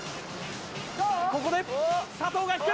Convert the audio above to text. ここで佐藤が引く。